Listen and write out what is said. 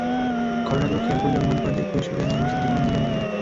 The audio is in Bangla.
ঘটনাগুলো খেয়াল করলে অনুধাবন করা যায়, কৈশোরে মানুষের জীবন অন্যদিকে মোড় নেয়।